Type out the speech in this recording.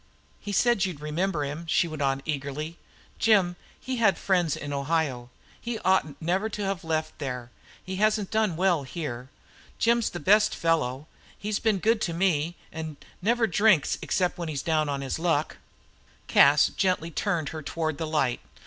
"He said you'd remember him," she went on eagerly. "Jim, he had friends in Ohio. He oughtn't never to have left there. He hasn't done well here but Jim's the best fellow he's been good to me an' never drinks except when he's down on his luck." Cas gently turned her toward the light.